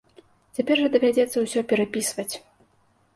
Цяпер жа давядзецца ўсё перапісваць.